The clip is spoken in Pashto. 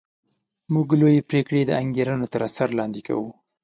موږ لویې پرېکړې د انګېرنو تر اثر لاندې کوو